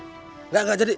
enggak enggak jadi